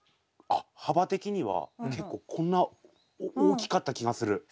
あっ幅的には結構こんな大きかった気がする。